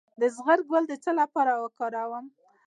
د زغر ګل د څه لپاره وکاروم؟